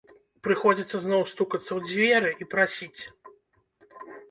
Прыходзіцца зноў стукацца ў дзверы і прасіць.